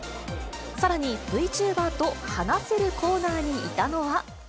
さらに、Ｖチューバーと話せるコーナーにいたのは。